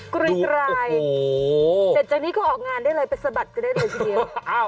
กลิดรายแต่จากนิดนี้เขาออกงานได้เลยไปสบัดจะได้เลยทีเดียว